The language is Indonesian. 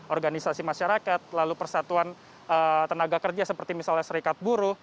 organisasi masyarakat lalu persatuan tenaga kerja seperti misalnya serikat buruh